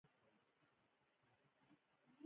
شېرګل د غنمو د تاوان پوښتنه وکړه.